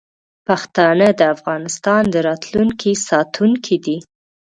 پښتانه د افغانستان د راتلونکي ساتونکي دي.